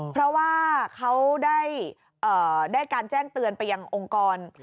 เพราะว่าเขาได้การแจ้งเตือนไปยังองค์กร